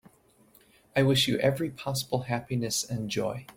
I wish you every possible happiness and joy.